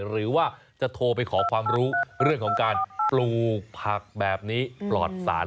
หรือว่าจะโทรไปขอความรู้เรื่องของการปลูกผักแบบนี้ปลอดสาร